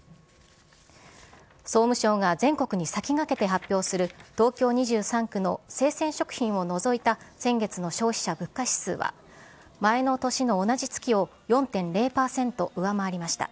総務省が全国に先駆けて発表する東京２３区の生鮮食品を除いた先月の消費者物価指数は、前の年の同じ月を４．０％上回りました。